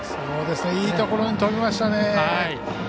いいところに飛びましたね。